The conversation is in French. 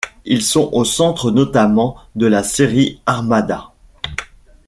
Ils sont au centre notamment de la série Armada.